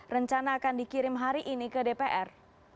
rencana akan dikirim hari ini ke dpr